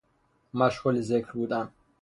مشغول ذکر بودن